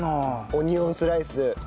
オニオンスライス。